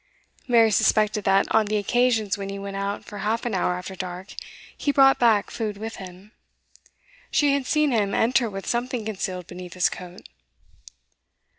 Mary suspected that, on the occasions when he went out for half an hour after dark, he brought back food with him: she had seen him enter with something concealed beneath his coat.